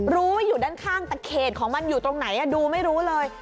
รู้ว่าอยู่ด้านข้างแต่เขตของมันอยู่ตรงไหนดูไม่รู้เลย